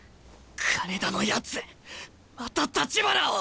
金田のやつまた橘を！